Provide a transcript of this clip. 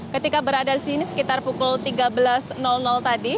ketika berada di sini sekitar pukul tiga belas tadi